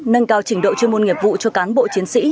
nâng cao trình độ chuyên môn nghiệp vụ cho cán bộ chiến sĩ